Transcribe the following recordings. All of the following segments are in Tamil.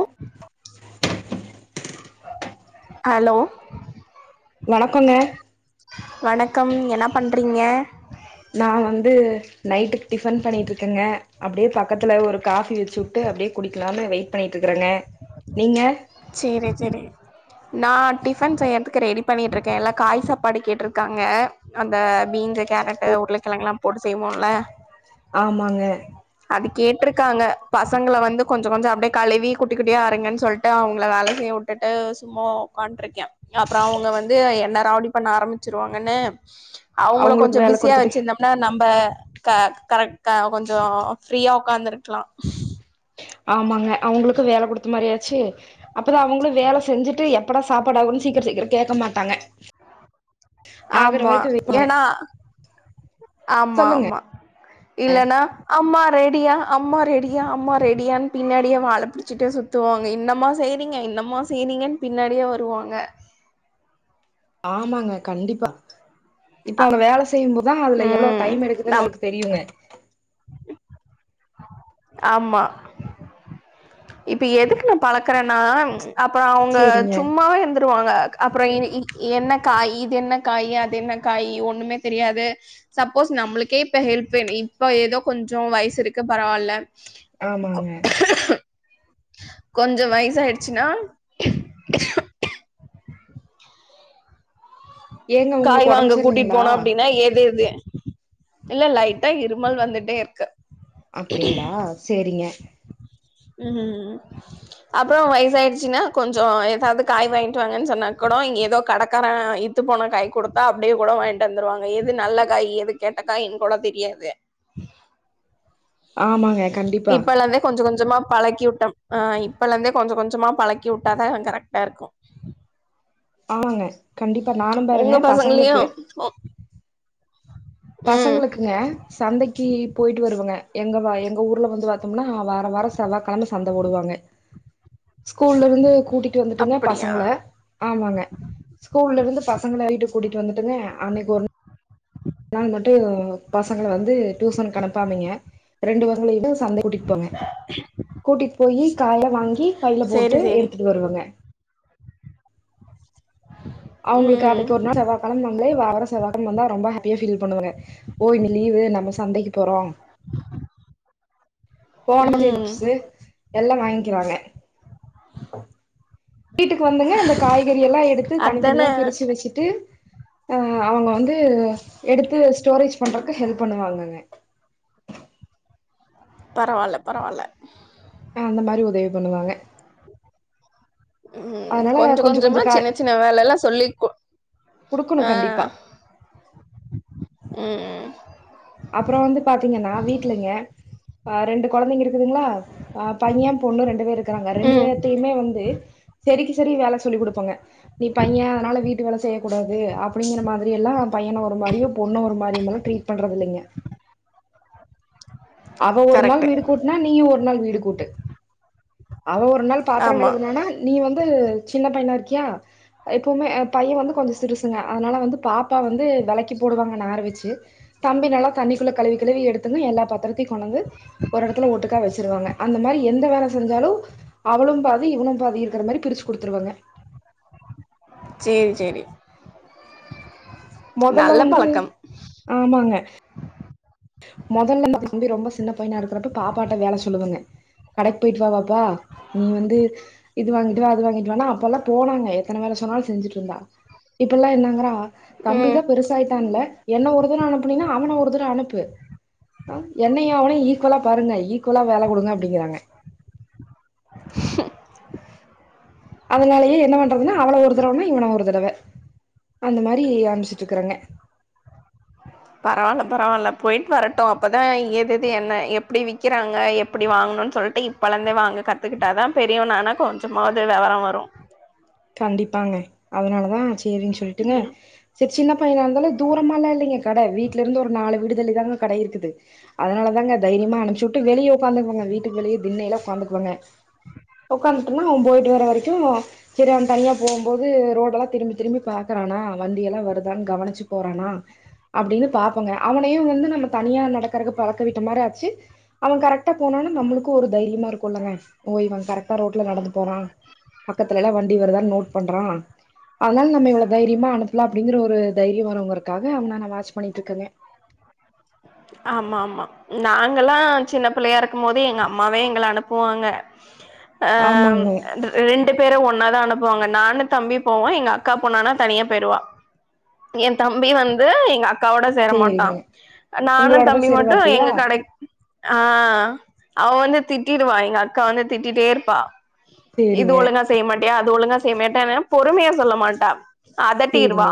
ஓ ஹலோ வணக்கோங்க வணக்கம் என்ன பண்றீங்க நா வந்து நைட்டுக்கு டிஃபன் பண்ணிட்டு இருக்கேங்க அப்டியே பக்கத்துல ஒரு காஃபி வெச்சு வுட்டு அப்டியே குடிக்கலான்னு வெயிட் பண்ணிட்டு இருக்கறங்க நீங்க சேரி செரி நா டிஃபன் செய்யறதுக்கு ரெடி பண்ணிட்டு இருக்கே எல்லா காய் சாப்பாடு கேட்ருக்காங்க அந்த பீன்ஸ் கேரட்டு உருளைக்கிழங்கலா போட்டு செய்வோல ஆமாங்க அது கேட்ருக்காங்க பசங்கள வந்து கொஞ்சோ கொஞ்சோ அப்டியே கழுவி குட்டி குட்டியா அருங்கன்னு சொல்லிட்டு அவங்க வேல செய்ய வுட்டுட்டு சும்மா உக்காண்ட்ருக்கே அப்புறோ அவங்க வந்து என்ன ராவுடி பண்ண ஆரம்பிச்சிருவாங்க கனு அவங்கள அவுங்களுக்கு கொஞ்சோ வேல பிஸியா குடுத்துட்டு வச்சிந்தோம்னா நம்ப க கரெக்ட கொஞ்சோ ஃப்ரீயா ஒக்காந்துருக்லா ஆமாங்க அவங்களுக்கு வேல குடுத்த மாரியாச்சு அப்பதா அவங்களு வேல செஞ்சுட்டு எப் எப்டா சாப்படாகுன்னு சீக்ரோ சீக்ரோ கேட்க மாட்டாங்க ஆகுற ஆமா வரைக்கு வெயிட் பண்ணுவே ஏனா ஆமா சொல்லுங்க ஆமா இல்லன்னா அம்மா ரெடியா அம்மா ரெடியா அம்மா ரெடியான் பின்னாடியே வால புடிச்சுட்டே சுத்துவாங்க இன்னமா செய்றீங்க இன் இன்னமா செய்னீங்கன்னு பின்னாடியே வருவாங்க ஆமாங்க கண்டிப்பா இப்ப அவங்க வேல செ செய்யு போதுதா அதுல எவ்ளோ ம் டைம் எடுக்குதுன்னு நம் அவங்களுக்கு தெரியுங்க ஆமா இப்ப எதுக்கு நா பழக்றேன்னா அப்றோ அவங்க சேரிங்க சும்மாவே இருந்துருவாங்க அப்புற இனி இ என்ன காயி இது என்ன காய் அது என்ன காயி ஒண்ணுமே தெரியாது சப்போஸ் நம்மளுக்கே இப்ப ஹெல்ப் வேணு இப்ப ஏதோ கொஞ்சோ வயசு இருக்க பரவால்ல ஆமாங்க கொஞ்சோ வயசாயிடுச்சுனா ஏங்க காய் உங்களுக்கு ஒடம்பு வாங்க கூட்டிட் சரியில்லைங்களா போனோ அப்டின்னா எதெது இல்ல லைட்டா இருமல் வந்துட்டே இருக்கு அப்டிங்களா சேரிங்க ம் அப்புறோ வயசாயிடுச்சின்னா கொஞ்சோ எதாவது காய் வாங்கிட்டு வாங்கன்னு சொன்னா கூட இங்க எதோ கடக்கார இது த்துப் போன காய் குடுத்தா அப்டியே கூட வாங்கிட்டு வந்துருவாங்க எது நல்ல காயி எது கெட்ட காயின்னு கூட தெரியாது ஆமாங்க கண்டிப்பா இப்பெலந்தே கொஞ்ச கொஞ்சமா பழக்கி உட்டோம் ஆ இப்பலேந்தே கொஞ்ச கொஞ்சமா பழக்கி உட்டாதா கரெக்ட்டா இருக்கு ஆமாங்க கண்டிப்பா நானு உங்க பாருங்க பசங்களையு பசங்களுக்கு ம் பசங்களுக்குங்க சந்தைக்கு போய்ட்டு வருவங்க எங்க வா எங்க ஊர்ல வந்து பாத்தோம்னா வார வாரோ செவ்வாக்கெழம சந்த போடுவாங்க ஸ்கூல்ல இருந்து கூட்டிட்டு வந்துட்டுங்க அப்டியா பசங்கள ஆமாங்க ஸ்கூல்ல இருந்து பசங்கள வீட்டுக் கூட்டிட்டு வந்துட்டுங்க அன்னைக்கு ஒரு நாள் மட்டு பசங்கள வந்து டியூசனுக்கு அனுப்பாமைங்க ரெண்டு பசங்களயு சந்தை கூட்டிட்டு போங்க கூட்டிட்டு போய் காயெல்லா வாங்கி பயில சேரி போட்டு சேரி எடுத்துட்டு வருவங்க அவுங்களுக்கு ம் அன்னைக்கு ஒரு நாள் செவ்வாக்கிழம [unintelligible] வார வார செவ்வா கிழம வந்தா ரொம்ப ஹாப் [unintelligible] பண்ணுதுங்க ஓ லீவு நாம சந்தைக்கு போறோ போனது ம் ப்ஸு யெல்லா வாங்கிறாங்க வீட்டுக்கு வந்துங்க அந்த காய்கறி யெல்லா எடுத்து அதான தனித்தனியா பிரிச்சு வெச்சுட்டு அ அவுங்க வந்து எடுத்து ஸ்டோரேஜ் பண்ற ஹெல்ப் பண்ணுவாங்கங்க பரவால்ல பரவால்ல அ அந்த மாரி உதவி பண்ணுவாங்க ம் கொஞ்ச கொஞ்சமா சின்ன சின்ன வேல எல்லா சொல்லி கொ குடுக்கணு கண்டிப்பா ம் ம் அப்புற வந்து பாத்தீங்கன்னா வீட்லைங்க அ ரெண்டு கொழந்தைங்க இருக்குதுங்களா பையன் பொண்ணு ரெண்டு பேர் இருக்கறாங்க ரெண்டு ம் பேர்தயுமே வந்து செரிக்கு செரி வேல சொல்லி் கொடுப்பேங்க நீ பைய அதனால வீட்டு வேல செய்யக்கூடாது அப்டிங்கிற மாரி எல்லா பையன ஒரு மாரியு பொண்ணு ஒரு மாரியுமா ட்ரீட் பண்றது இல்லைங்க அவ ஒரு நாள் கரெக்ட்டு வீடு கூட்டுனா நீயு ஒரு நாள் வீடு கூட்டு அவ ஒரு நாள் பாத்திர ஆமா கழுவுனனா நீ வந்து சின்ன பையனா இருக்கியா எப்பவுமே் பையன் வந்து கொஞ்ச சிறுசுங்க அதனால வந்து பாப்பா வந்து வெளக்கி போடுவாங்க நார் வெச்சு தம்பி நல்லா தண்ணிக்குள்ள கழுவி கழுவி எடுத்துங்க எல்லா த்தை கொண்டு வந்து ஒரு எடத்துல ஓட்டுக்கா வெச்சிருவாங்க அந்த மாரி எந்த வேல செஞ்சாலு அவளு பாதி இவனு பாதி இருக்கிற மாரி பிரிச்சு கொடுத்துருவங்க சேரி சேரி மொதல்ல நல்ல வந்து பழக்கம் ஆமாங்க மொதல்ல நம்ம தம்பி ரொம்ப சின்ன பையனா இருகரப்ப பாப்பாட்ட வேலை சொல்லுவங்க கடைக்கு போயிட்டு வா வாப்பா நீ வந்து இது வாங்கிட்டு வா அது வாங்கிட்டு வானா அப்ப எல்லா போனாங்க எத்தன வேல சொன்னால் செஞ்சிட்டு இருந்தா இப்ப யெல்லா என்னங்கிறா ம் தம்பிதா பெருசாயிட்டான்ல என்ன ஒரு தட அனுப்புனைனா அவன ஒரு தட அனுப்பு அ என்னையு அவனையு ஈக்குவலா பாருங்க ஈக்குவலா வேல கொடுங்க அப்டிங்கறாங்க அதனாலயே என்ன பண்றதுனா அவள ஒரு தடவனா இவன ஒரு தடவ அந்த மாரி அனுபிச்சிட்டு இருக்கறங்க பரவால்ல பரவால்ல போயிட்டு வரட்டு அப்பதா எது எது என்ன எப்டி விக்கிறாங்க எப்டி வாங் கனு சொல்லிட்டு இப்பழந்தே வாங்க கத்துக்கிட்டாதா பெரியவனான கொஞ்சமாவது விவர வரு கண்டிப்பாங்க அதனாலதா சேரின்னு சொல்லிட்டுங்க செரி சின்ன பையன இருந்தாலு தூரமெல்லா இல்லைங்க கடை வீட்ல இருந்து ஒரு நாலு வீடு தள்ளி தாங்க கடை இருக்குது அதனால தா ங்க தைரியமா அனுப்புச்சிட்டு வெளிய ஒக்காந்துக்குவங்க வீட்டுக்கு வெளியே தின்னையில்லா ஒக்காந்துக்குவங்க ஒக்காந்துட்டன்னா அவ போயிட்டு வர வரைக்கு செரி அவ தனியா போம்போது ரோடெல்லா திரும்பி திரும்பி பாக்குறானா வண்டியெல்லா வருதான் கவனிச்சி போறானா அப்டின்னு பாப்பங்க அவனையு வந்து நம்ம தனியா நடக்கறதுக்கு பழக்க விட்ட மாரி ஆச்சு அவ கரெக் ட்டா போனானா நம்மளுக்கு ஒரு தைரியமா இருக்குமில்லங்க ஓ இவ கரெக்டா ரோட்ல நடந்து போறா பக்கத்து அதனால நம்ம இவள தைரியமா அனுப்பலா அப்டிங்கிற ஒரு தைரிய வருங்கறதுக்காக அவன நா வாட்ச் பண்ணிட்டு இருக்கங்க ஆமா ஆமா நாங்கெல்லா சின்ன பிள்ளையா இருக்கு போது எங்க அம்மாவே எங்கள அனுப்புவாங்க அ ஆமாங்க ரெண்டு பேரு ஒன் னாதா அனுப்புவாங்க நானு தம்பி போவோ எங்க அக்கா போனா தனியா பெயிருவா என் தம்பி வந்து எங்க அக் காவோட சேர மாட்டா சேரிங்க நானு உங்களோடதா தம்பி மட்டு சேருவாப்டியா எங்க கடைக் ஆ அவ வந்து திட்டிடுவா எங்க அக்கா வந்து திட்டிட்டே இருப்பா இது சேரிங்க ஒழுங்கா செய்ய மாட்டியா அது ஒழுங்கா செய்ய மட்டவ பொறுமையா சொல்ல மாட்டா அதட்டிருவா சேரிங்க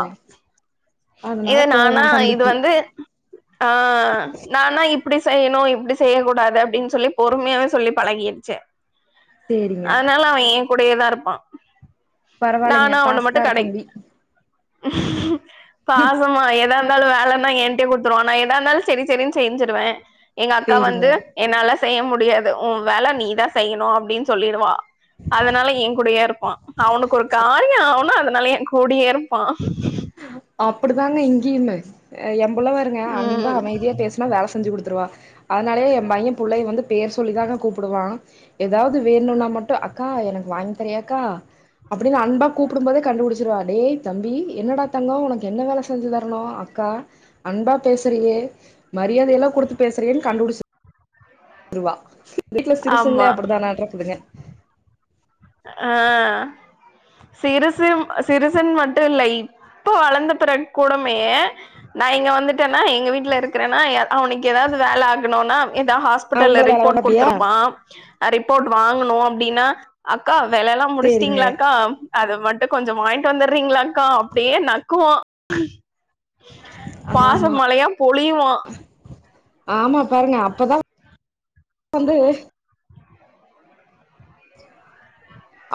அதனால இதே நானா கோவோ இது தம்பிக்கு வந்து ஆ நானா இப்படி செய்ய னும் இப்படி செய்யக்க கூடாது அப்படின்னு சொல்லி பொறுமையாவே சொல்லி பழகிச்சு சேரிங்க அனால அவன் ஏன் கூடயேதான் இருப்பா பரவாயில்லைங்க நானா உன்னு மட்டும் பாஸ்கார கடை தம்பி பாசமா எதா இருந்தாலும் வேல இருந்தா ஏன்டே கு டுத்துருவாங்க நா ஏதா இருந்தாலும் சேரி சேரினு செஞ்சிருவேன் எங்க அக்கா சேரிங்க வந்து என்னால செய்ய முடியாது உன் வேல நீதான் செய்யணும் அப்படின்னு சொல்லிருவா அதனால என் கூடேயே இருப்பான் அவனுக்கு ஒரு காரியொ ஆவனு அதனால என் கூடியே இருப்பான் பா அப்பிடிதாங்க இங்கேயுமே ஏம்புள்ளா வருங்க அன்பா ம் அமைதியா பேசுனா வேல செஞ்சு குடுத்துருவா அதனாலயே ஏ பைய புள்ளயே வந்து பேர் சொல்லிதா கூப்பிடுவா எதாவது வேணுனா மட் மட்டு அக்கா எனக்கு வாங்கி தரியாக்கா அப்டின்னு அன்பா கூப்பிடும் போதே கண்டுபிடிச்சிருவா டேய் தம்பி என்னடா தங்கோ உனக்கு என்ன வேல செஞ்சு தரனு அக்கா அன்பா பேசுறியே மரியாத எல்லா குடுத்து பேசுறியேனு கண்டுபுடிச்ச வீட்ல ஆமா சிறுசுங்களே அப்டிதானாட்ருதுங்க அ சிறுசு சிறுசின்னு மட்டு இல்ல இப்ப வளந்த பெறகு கூடமே நா இங்கே வந்துட்டேனா எங்க வீட்ல இருக்கிறனா அவனுக்கு எதாவது வேல ஆகணுன்னா எதா ஆ ஹாஸ்பிட்டல உங்கள வேல வாங்க ரிப்போர்ட் அப்டியா குடுத்துருப்பா ரிப்போர்ட் வாங்கணு அப்டின்னா அக்கா வேலல்லா சேரிங்க முடிச்சிட்டீங்களாக்கா அது மட்டு கொஞ்சோ வாங்கிட்டு வந்துறீங்களாக்கா அப்டியே நக்குவா பாச ஆமா மழையா பொழியுவா ஆமா பாருங்க அப்பதா வந்து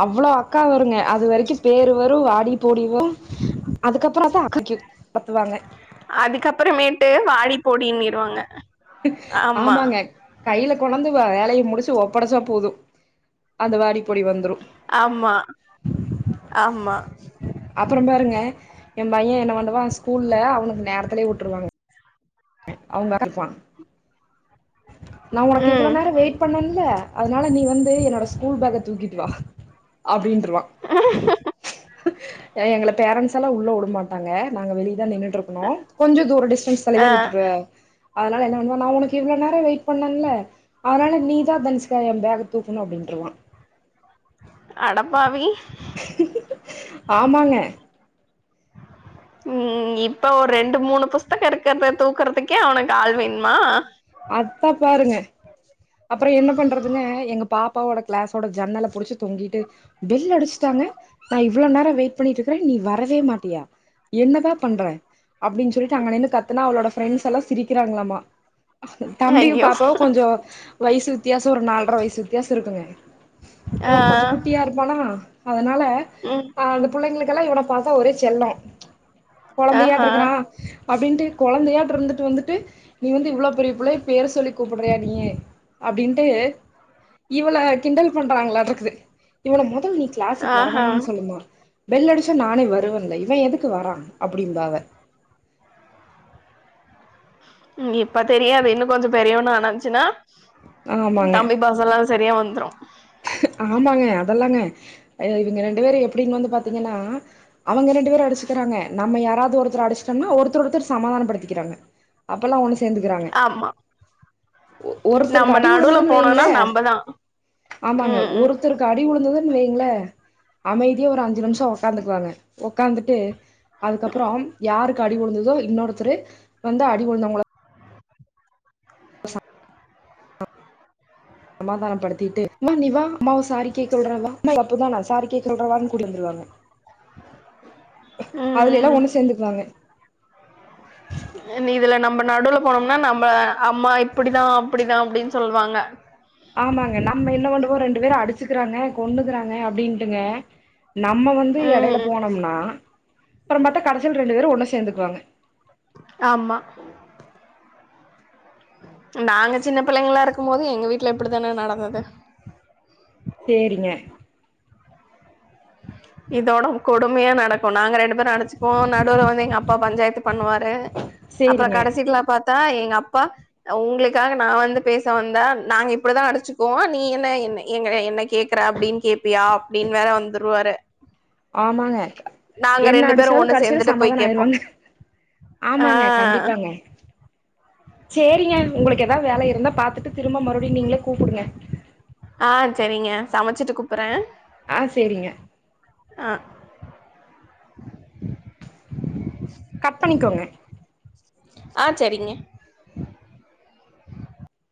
அவ்ளோ அக்கா வருங்க அது வரைக்கு பேரு வரு வாடி போடி வரு அதுக்கப்றோ தா அக்கா அதுக்கப்புறமேட்டு வாடி போடினுரூவாங்க ஆமாங்க கையில கொன்டாந்து வேலையை முடிச்சு ஒப்படச்ச போது அந்த வாடி போடி வந்துரு ஆமா ஆமா அப்றோ பாருங்க ஏ பைய என்ன பண்ணுவா ஸ்கூல்ல அவனுக்கு நேரத்திலயே வுட்ருவாங்க அவுங்க [unintelligible] நா உனக்கு இவ்ளோ ம் நேரோ வெயிட் பண்ணேன்ல அதனால நீ வந்து என்னோட ஸ்கூல் பேக தூக்கிட்டு வா அப்டின்ருவா எங்கள பேரன்ஸ்லா உள்ள வுடமாட்டாங்க நாங்க வெளியதா நின்னிட்டு இருக்கனு கொஞ்ச தூரோ டிஸ்டன்ஸ் ஆ தா விட்டுரு அதனால என்ன பண்ணுவா நா உனக்கு இவ்ளோ நேரோ வெயிட் பண்ணல அதனால நீதா தனுஷிகா ஏ பேக தூக்கணு அப்டின்ருவா அடப்பாவி ஆமாங்க [inaudible] ம் இப்ப ஒரு ரெண்டு மூணு புஸ்தக இருக்கிறத தூக்குறதுக்கே அவனக்கு ஆள் வேனுமா அத்தா பாருங்க அப்றோ என்ன பண்றதுங்க எங்க பாப்பாவோட கிளாஸோட ஜன்னல புடிச்சு தொங்கிட்டு பெல் அடிச்சுட்டா ங்க நா இவ்ளோ நேரோ வெயிட் பண்ணிட்டு இருக்கறே நீ வரவே மாட்டியா என்னதா பண்ற அப்டின்னு சொல்லிட்டு அங்க நின்று கத்துனா அவளோட ஃப்ரெண்ட்ஸ் எல்லா சிரிக்கிறாங்களாமா தம்பியு ஐயோ பாப்பாவு கொஞ்சோ வயசு வித்தியாசோ ஒரு நால்ர வயசு வித்தியாசோ இருக்குங்க ஆ இவ கொஞ்சோ குட்டியா இருப்பானா அதனால ம் அந்த புள்ளங்களுக்கு கல்லா இவன பாத்தா ஒரே செல்லோ கொழந்தையாட்ட ஆஹா இக்கிறா அப்டின்ட்டு கொழந்தையாட்ட இருந்துட்டு வந்துட்டு நீ வந்து இவ்ளோ பெரிய புள்ளய பேர் சொல்லி கூப்டுறியா நீயி அப்டின்ட்டு இவள கிண்டல் பண்றாங்களாட்ட இக்குது இவன மொதல்ல நீ கிளாசுக்கு ஆஹா வரவேணானு சொல்லுமா பெல் அடிச்சா நானே வருவேன்ல இவ எதுக்கு வரா அப்டிம்பா அவ ம் இப்ப தெரியாது இன்னு கொஞ்சோ பெரியவானானச்சுனா ஆமாங்க தம்பி பாசோ எல்லாம் செரியா வந்துரு ஆமாங்க அதெல்லாங்க இவங்க ரெண்டு பேரு எப்பிடின்னு வந்து பாத்தீங்கன்னா அவங்க ரெண்டு பேரு அடிச்சுக் ங்க நம்ம யாராவது ஒருத்தர அடிச்சுட்டம்ன்னா ஒருத்தர் ஒருத்தர் சமாதானப்படுத்திக்கிறாங்க அப்பெல்லா ஒன்னு சேந்துக்கிறாங்க ஆமா நம்ம ஒருத்தருக்கு அடி நடுவுல உழுந்ததன்னு போனோனா வைங்களே நம்பதா ஆமாங்க ம் ம் ஒருத்தருக்கு அடி உழுந்து துனா வெய்யிங்களே அமைதியா ஒரு அஞ்சு நிமிஷோ உக்காந்துக்குவாங்க உக்காந்துட்டு அதுக்கப்புறம் யாருக்கு அடி உழுந்துதோ இன்னொருத்தரு வந்து அடி உழுந்தவங்கள சமாதானோ படுத்திட்டு மா நீவா அம்மாவ சாரி கேக்கவுட்றே வா தப்புதா நா சாரி கேக்க சொல்றேவான்னு கூட்டிட்டு வந்துருவாங்க அதுல எல்லா ம் ஒன்னு சேந்துக்குவாங்க நீ இதுல நம்ம நடுல போனோம்னா நம்ம அம்மா இப்படிதா அப்படிதா அப்டின்னு சொல்லுவாங்க ஆமாங்க நம்ம என்ன பண்றுவோ ரெண்டு பேரு அடிச்சுக்கிறாங்க கொன்னுக்குறாங்க அப்டின்ட்டுங்க நம்ம வந்து எடையில ம் போனோம்னா அப்புறம் பாத்தா கடைசில ரெண்டு பேரு ஒன்னு சேந்துக்குவாங்க ஆமா நாங்க சின்ன பிள்ளைங்கலா இருக்கும் போது எங்க வீட்டுல இப்படித்தானே நடந்தது சேரிங்க இதோட கொடுமையா நடக்கு நாங்க ரெண்டு பேரு அடிச்சிப்போ நடுல வந்து எங்க அப்பா பஞ்சாயத்து பண்ணுவாரு அப்புறோ சேரிங்க கடைசிக்குல்லா பாத் தா எங்க அப்பா உங்களுக்காக நா வந்து பேச வந்தா நாங்க இப்படிதா அடிச்சிக்குவோ நீ என்ன என்ன எங்கள என்ன கேக்குற அப்டின்னு கேப்பியா அப்டின்னு வேற வந்துருவாரு ஆமாங்க நாங்க என்ன ரெண்டு பேரும் அடிச்சாலு ஒண்ணு கடைசில சேர்ந்துட்டு போய் சமாதானோ கேட்போம் ஆயிருவாங்க ஆமாங்க ஆஹ் கண்டிப்பாங்க சேரிங்க உங்களுக்கு ஏதா வேல இருந்தா பாத்துட்டு திரும்ப மறுபடியு நீங்களே கூப்புடுங்க ஆ செரிங்க சமைச்சிட்டு கூப்புட்றே ஆ சேரிங்க அ கட் பண்ணிக்கோங்க ஆ செரிங்க